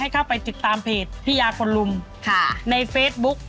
เข้าไปติดตามเพจพี่ยาคนลุมในเฟซบุ๊ก